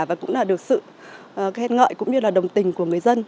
và cũng là được sự khen ngợi cũng như là đồng tình của người dân